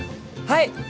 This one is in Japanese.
はい！